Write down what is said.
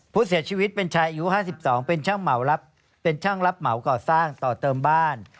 ผู้เสียชีวิตเป็นชายอายุ๕๒เป็นช่างเป็นช่างรับเหมาก่อสร้างต่อเติมบ้าน